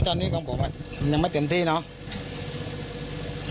ตอนนี้ของผมยังไม่เต็มที่เนาะ